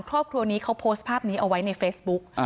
ครอบครัวนี้เขาโพสต์ภาพนี้เอาไว้ในเฟซบุ๊ก